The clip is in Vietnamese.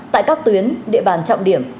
tại các tuyến địa bàn trọng điểm